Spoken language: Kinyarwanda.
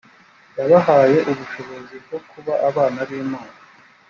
yabahaye ubushobozi bwo kuba abana b imana